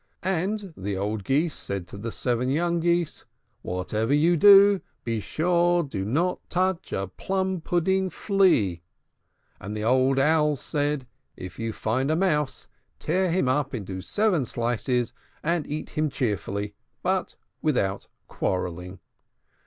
And the old Geese said to the seven young Geese, "Whatever you do, be sure you do not touch a plum pudding flea." And the old Owls said, "If you find a mouse, tear him up into seven slices, and eat him cheerfully, but without quarrelling."